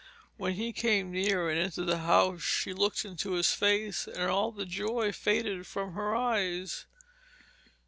When he came near and entered the house she looked into his face, and all the joy faded from her eyes.